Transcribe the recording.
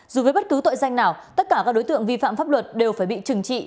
dù với bất cứ tội danh nào tất cả các đối tượng vi phạm pháp luật đều phải bị trừng trị